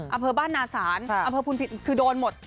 อำเภอบ้านนาศาลอำเภอพุนพินคือโดนหมด